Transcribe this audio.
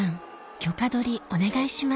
許可取りお願いします